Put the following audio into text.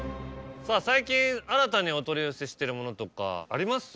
最近新たにお取り寄せしてるものとかあります？